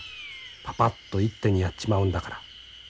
パパッと一手にやっちまうんだから。